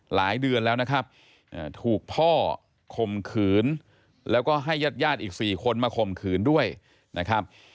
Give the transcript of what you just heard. หลายเดือนแล้วนะครับถูกพ่อข่มขืนแล้วก็ให้ญาติญาติอีก๔คนมาข่มขืนด้วยนะครับ